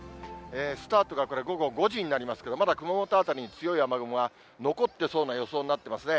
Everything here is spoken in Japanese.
スタートがこれ、午後５時になりますけど、まだ熊本辺りに強い雨雲が残ってそうな予想になってますね。